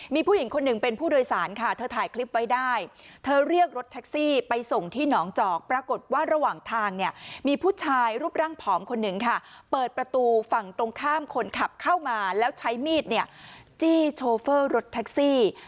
มีผู้หญิงคนหนึ่งเป็นผู้โดยสารค่ะเธอถ่ายคลิปไว้ได้เธอเรียกรถแท็กซี่ไปส่งที่หนองจอกปรากฏว่าระหว่างทางเนี่ยมีผู้ชายรูปร่างผอมคนหนึ่งค่ะเปิดประตูฝั่งตรงข้ามคนขับเข้ามาแล้วใช้มีดเนี่ยจี้โชเฟอร์รถแท็กซี่